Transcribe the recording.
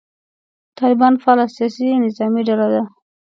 طالبان فعاله سیاسي نظامي ډله ده.